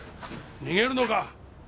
逃げるのか！？